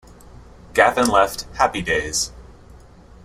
Gavan left "Happy Days".